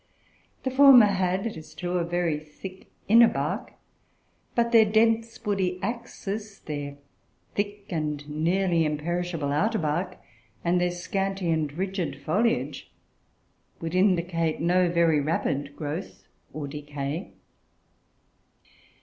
The former had, it is true, a very thick inner bark; but their dense woody axis, their thick and nearly imperishable outer bark, and their scanty and rigid foliage, would indicate no very rapid growth or decay.